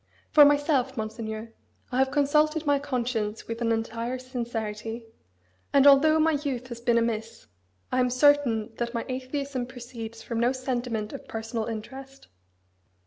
For myself, Monseigneur, I have consulted my conscience with an entire sincerity; and although my youth has been amiss, I am certain that my atheism proceeds from no sentiment of personal interest.